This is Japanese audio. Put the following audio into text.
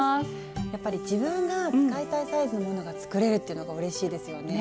やっぱり自分が使いたいサイズのものが作れるっていうのがうれしいですよね。